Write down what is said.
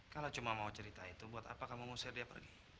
kalau cuma mau cerita itu buat apa kamu mengusir dia pergi